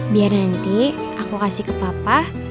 biar nanti aku kasih ke papa